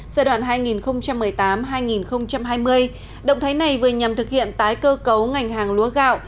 giai đoạn hai nghìn một mươi tám hai nghìn hai mươi động thái này vừa nhằm thực hiện tái cơ cấu ngành hàng lúa gạo